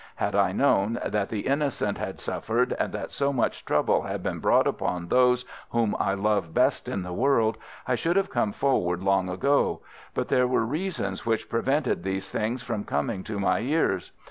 Had I known that the innocent had suffered, and that so much trouble had been brought upon those whom I love best in the world, I should have come forward long ago; but there were reasons which prevented these things from coming to my ears.